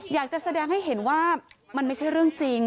อยากจะแสดงให้เห็นว่ามันไม่ใช่เรื่องจริง